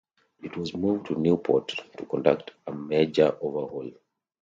It was moved to Newport to conduct a major overhaul.